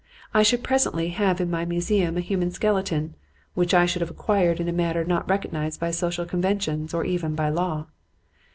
I should presently have in my museum a human skeleton which I should have acquired in a manner not recognized by social conventions or even by law.